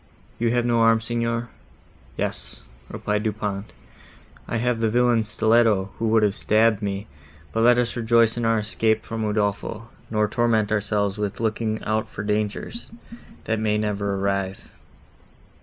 You have no arms, Signor?" "Yes," replied Du Pont, "I have the villain's stilletto, who would have stabbed me—but let us rejoice in our escape from Udolpho, nor torment ourselves with looking out for dangers, that may never arrive."